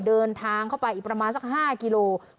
เดินทางเข้าไปอีกประมาณสัก๕กิโล